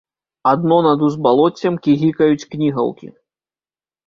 Адно над узбалоццем кігікаюць кнігаўкі.